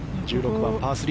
１６番、パー３。